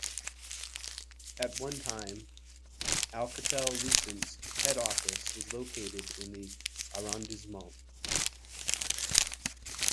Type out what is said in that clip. At one time Alcatel-Lucent's head office was located in the arrondissement.